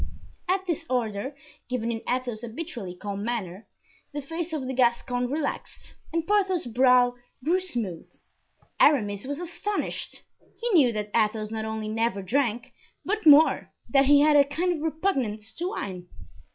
At this order, given in Athos's habitually calm manner, the face of the Gascon relaxed and Porthos's brow grew smooth. Aramis was astonished. He knew that Athos not only never drank, but more, that he had a kind of repugnance to wine.